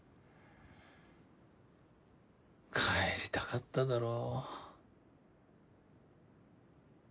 帰りたかっただろう。